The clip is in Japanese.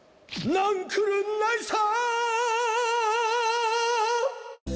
なんくるないさ！